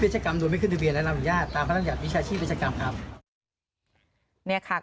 หรือฟิลเลอร์